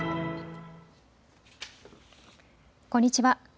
こんにちは。